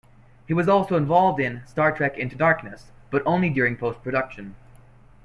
He was also involved in "Star Trek Into Darkness", but only during post-production.